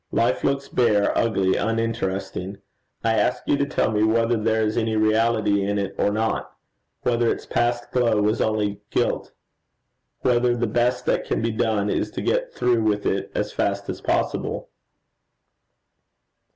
Life looks bare, ugly, uninteresting. I ask you to tell me whether there is any reality in it or not; whether its past glow was only gilt; whether the best that can be done is to get through with it as fast as possible?'